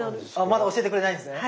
まだ教えてくれないんですね？